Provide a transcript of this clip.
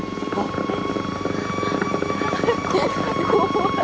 怖い。